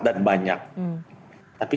dan banyak tapi